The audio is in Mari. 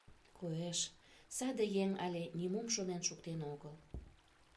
Коеш, саде еҥ але нимом шонен шуктен огыл.